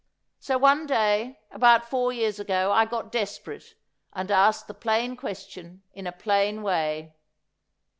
So one day, about four years ago, I got desperate, and asked the plain question in a plain way.